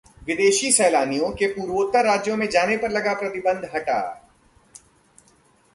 विदेशी सैलानियों के पूर्वोत्तर राज्यों में जाने पर लगा प्रतिबंध हटा